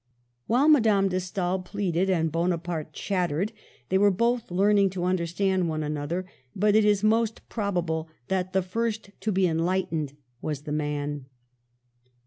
While Madame de Stael pleaded and Bonaparte chat tered they were both learning to understand one another, but it is most probable that the first to be enlightened was the man.